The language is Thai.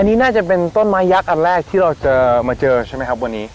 อันนี้น่าจะเป็นต้นไม้ยักษ์อันแรกที่เราเจอมาเจอใช่ไหมครับวันนี้